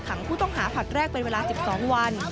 ขังผู้ต้องหาผลัดแรกเป็นเวลา๑๒วัน